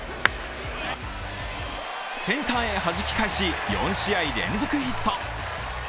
センターへ、はじき返し４試合連続ヒット。